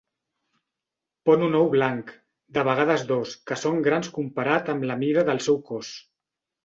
Pon un ou blanc, de vegades dos, que són grans comparat amb la mida del seu cos.